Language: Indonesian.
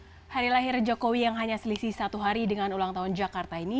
pada hari lahir jokowi yang hanya selisih satu hari dengan ulang tahun jakarta ini